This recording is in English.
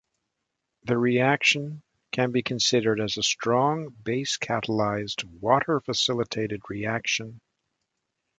The reaction can be considered as a strong-base-catalysed, water-facilitated reaction.